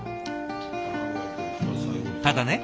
ただね